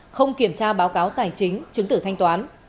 không kiểm tra báo cáo tài chính chứng tử thanh toán